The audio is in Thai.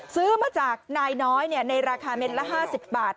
ซื้อมาจากนายน้อยในราคาเม็ดละ๕๐บาท